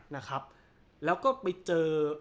นะครับแล้วก็ไปเจอ